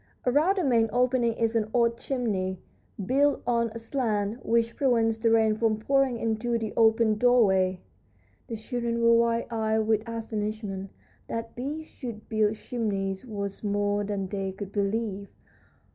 Around the main opening is an odd chimney, built on a slant, which prevents the rain from pouring into the open doorway." The children were wide eyed with astonishment. That bees should build chimneys was more than they could believe!